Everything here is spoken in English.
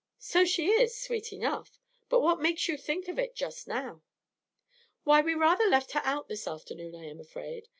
"So she is, sweet enough; but what makes you think of it just now?" "Why, we rather left her out this afternoon, I am afraid.